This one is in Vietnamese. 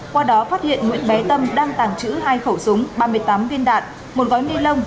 qua đó phát hiện nguyễn bé tâm đang tàng trữ hai khẩu súng ba mươi tám viên đạn một gói ni lông